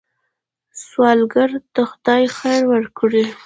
سوالګر ته خدای خیر ورکړي